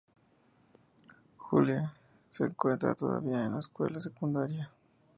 Julie se encuentra todavía en la escuela secundaria.